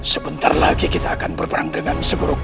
sebentar lagi kita akan berperang dengan segeruk